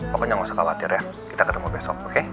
pokoknya gak usah khawatir ya kita ketemu besok oke